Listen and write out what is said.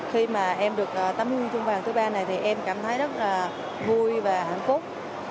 khi mà em được tấm huy chương vàng thứ ba này thì em cảm thấy rất là vui và hạnh phúc